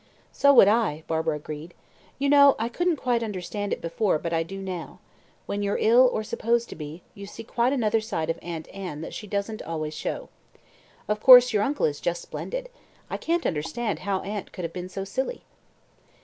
"So would I," Barbara agreed. "You know, I couldn't quite understand it before, but I do now. When you're ill or supposed to be you see quite another side of Aunt Anne and one that she doesn't always show. Of course, your uncle is just splendid. I can't understand how aunt could have been so silly."